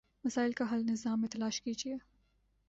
مسائل کا حل نظام میں تلاش کیجیے۔